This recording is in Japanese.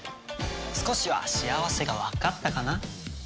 少しは幸せがわかったかな？